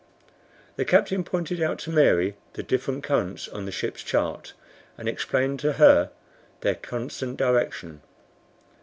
The Captain pointed out to Mary the different currents on the ship's chart, and explained to her their constant direction.